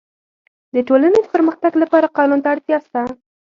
د ټولني د پرمختګ لپاره قانون ته اړتیا سته.